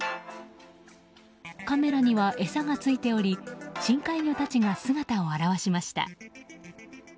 カメラには餌がついており深海魚たちが姿を現しました。